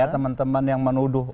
teman teman yang menuduh